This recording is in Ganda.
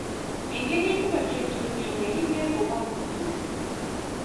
Engeri enkuba gy'ettonyamu eringa egobwa mu ggulu.